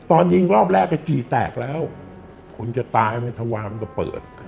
ตอนยิงรอบแรกก็กี่แตกแล้วคนจะตายไม่ทะวามก็เปิด